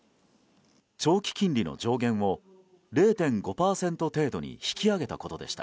長期金利の上限を０．５％程度に引き上げたことでした。